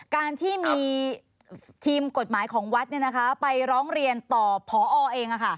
การที่มีทีมกฎหมายของวัดไปร้องเรียนต่อพอเอง